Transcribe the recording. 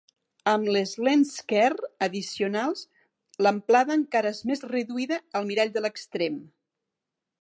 Amb les lents Kerr addicionals, l'amplada encara és més reduïda al mirall de l'extrem.